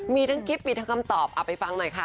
มีทั้งคลิปมีทั้งคำตอบเอาไปฟังหน่อยค่ะ